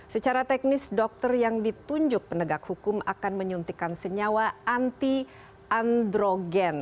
secara teknis dokter yang ditunjuk penegak hukum akan menyuntikkan senyawa anti androgen